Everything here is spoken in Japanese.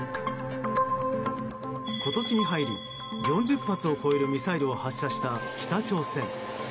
今年に入り４０発を超えるミサイルを発射した北朝鮮。